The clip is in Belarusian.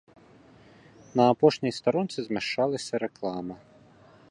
На апошняй старонцы змяшчалася рэклама.